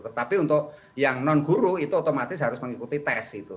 tetapi untuk yang non guru itu otomatis harus mengikuti tes gitu